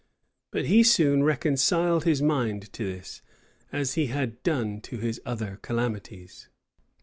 But he soon reconciled his mind to this, as he had done to his other calamities.